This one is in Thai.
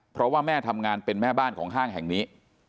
เพราะว่าแม่ทำงานเป็นแม่บ้านของห้างแห่งนี้